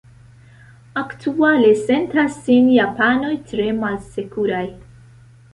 Aktuale sentas sin japanoj tre malsekuraj.